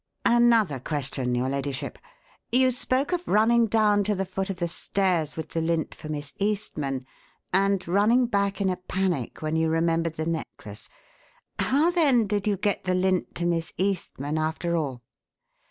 Another question, your ladyship: You spoke of running down to the foot of the stairs with the lint for Miss Eastman and running back in a panic when you remembered the necklace. How, then, did you get the lint to Miss Eastman, after all?"